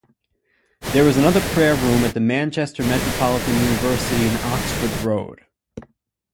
There is another prayer room at the Manchester Metropolitan University in Oxford Road.